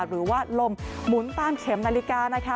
หรือว่าลมหมุนตามเข็มนาฬิกานะคะ